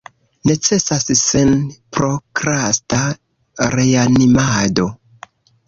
Necesas senprokrasta reanimado.